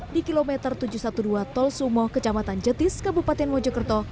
di kilometer tujuh ratus dua belas tol sumo kecamatan jetis kabupaten mojokerto